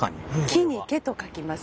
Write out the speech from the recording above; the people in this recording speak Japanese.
「木」に「毛」と書きます。